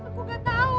aku gak tahu